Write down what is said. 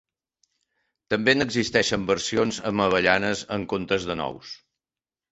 També n'existeixen versions amb avellanes en comptes de nous.